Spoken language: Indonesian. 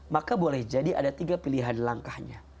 maka boleh jadi ada tiga pilihan langkahnya